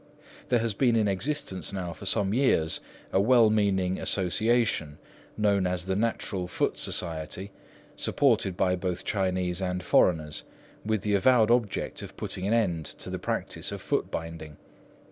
There has been in existence now for some years a well meaning association, known as the Natural Foot Society, supported by both Chinese and foreigners, with the avowed object of putting an end to the practice of foot binding.